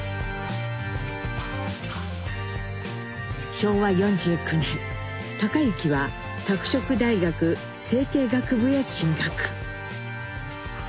昭和４９年隆之は拓殖大学政経学部へ進学。